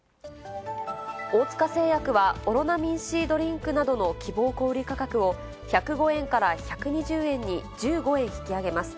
大塚製薬は、オロナミンＣドリンクなどの希望小売り価格を、１０５円から１２０円に１５円引き上げます。